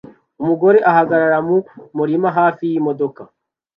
Umugore ahagarara mu murima hafi yimodoka